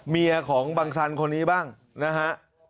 เมียของบังสันคนนี้บ้างนะฮะ